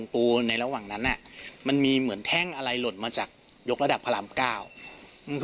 ทางนั้นมันมีเหมือนแท่งอะไรหล่นมาจากยกระดับพลาม๙